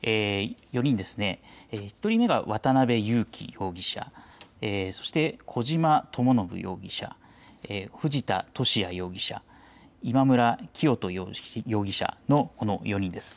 １人目が渡邉優樹容疑者、そして小島智信容疑者、藤田聖也容疑者、今村磨人容疑者、この４人です。